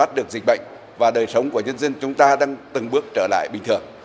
được dịch bệnh và đời sống của nhân dân chúng ta đang từng bước trở lại bình thường